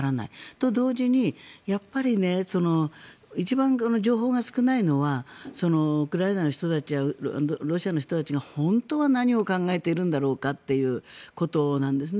と、同時にやっぱり一番情報が少ないのはウクライナの人たちやロシアの人たちが本当は何を考えているのだろうかということなんですね。